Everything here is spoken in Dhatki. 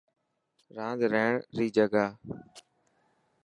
راند رهڻ ري جڳهه.